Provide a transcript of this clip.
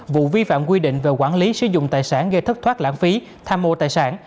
vụ vi phạm quy định về quản lý sử dụng tài sản gây thất thoát lãng phí tham mô tài sản